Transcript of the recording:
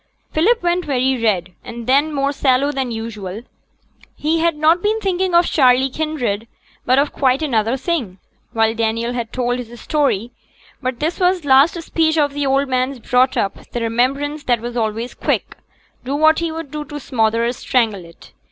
Philip went very red, and then more sallow than usual. He had not been thinking of Charley Kinraid, but of quite another thing, while Daniel had told his story; but this last speech of the old man's brought up the remembrance that was always quick, do what he would to smother or strangle it.